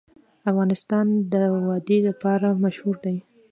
افغانستان د وادي لپاره مشهور دی.